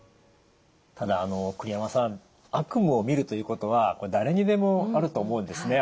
ただ栗山さん悪夢をみるということはこれ誰にでもあると思うんですね。